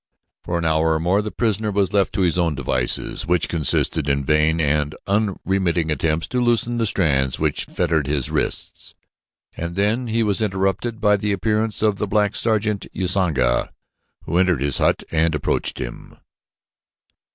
For an hour or more the prisoner was left to his own devices, which consisted in vain and unremitting attempts to loosen the strands which fettered his wrists, and then he was interrupted by the appearance of the black sergeant Usanga, who entered his hut and approached him.